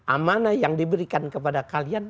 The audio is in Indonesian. amanah yang diberikan kepada kalian